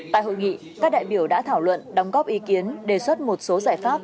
tại hội nghị các đại biểu đã thảo luận đóng góp ý kiến đề xuất một số giải pháp